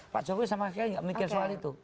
pak jokowi sama sekali nggak mikir soal itu